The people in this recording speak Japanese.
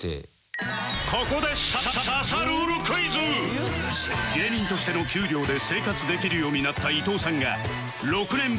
ここで芸人としての給料で生活できるようになった伊藤さんがさあせいやさん。